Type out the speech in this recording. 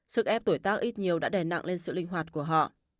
sức ép tuổi tác ít nhiều đã đè nặng lên sự linh hoạt của họ